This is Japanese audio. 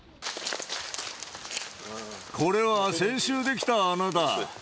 これは先週出来た穴だ。